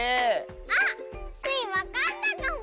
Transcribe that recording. あっスイわかったかも！